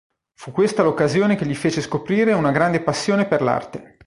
Fu questa l'occasione che gli fece scoprire una grande passione per l'arte.